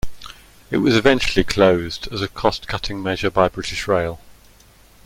It was eventually closed as a cost-cutting measure by British Rail.